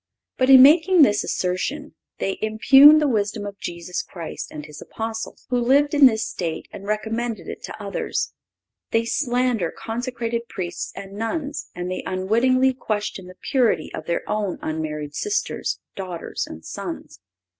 But in making this assertion they impugn the wisdom of Jesus Christ and His Apostle, who lived in this state and recommended it to others; they slander consecrated Priests and nuns, and they unwittingly question the purity of their own unmarried sisters, daughters and sons.